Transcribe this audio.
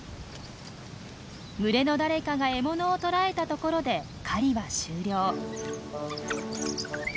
群れの誰かが獲物を捕らえたところで狩りは終了。